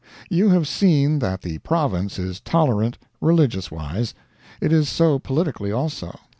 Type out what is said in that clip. You have seen that the Province is tolerant, religious wise. It is so politically, also.